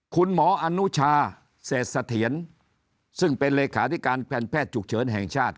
คุณหมออนุชาเศษสะเทียนซึ่งเป็นเลขาธิการแพทย์ฉุกเฉินแห่งชาติ